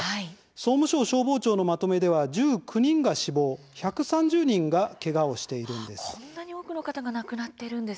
総務省消防庁のまとめでは１９人が死亡１３０人がけがをしているんです。